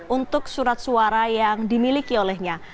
untuk surat suara yang dimiliki olehnya